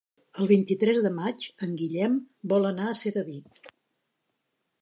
El vint-i-tres de maig en Guillem vol anar a Sedaví.